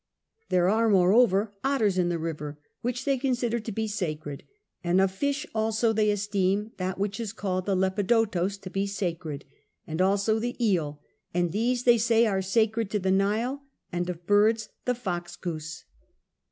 There are moreover otters in the river, which they consider to be sacred: and of fish also they esteem that which is called the lepidotos to be sacred, and also the eel; and these they say are sacred to the Nile: and of birds the fox goose.